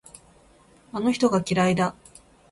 あの人が嫌いだ。